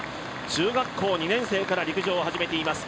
中学校２年生から陸上を始めています。